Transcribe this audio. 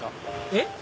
えっ？